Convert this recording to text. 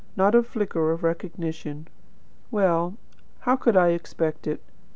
Not a flicker of recognition. Well, how could I expect it?